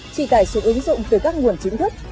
trị tài sự ứng dụng từ các nguồn chính thức